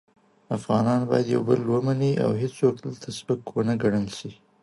افغانان باید یو بل ومني او هیڅوک دلته سپک و نه ګڼل شي.